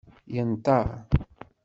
Yenṭer.